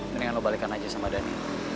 mendingan lo balikan aja sama dani